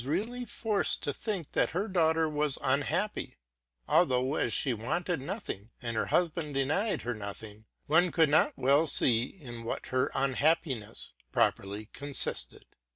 166 TRUTH AND FICTION really forced to think that her daughter was unhappy; al though as she wanted nothing, and her husband denied her nothing, one could not well see in what her unhappiness prop erly consisted.